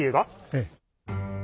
ええ。